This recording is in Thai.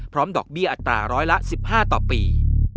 ดอกเบี้ยอัตราร้อยละ๑๕ต่อปี